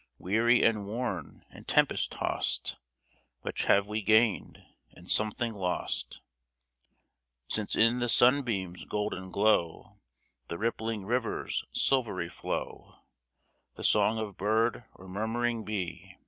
Weary and worn and tempest tossed, Much have we gained — and something lost — Since in the sunbeams golden glow, The rippling river's silvery flow, The song of bird or murmuring bee.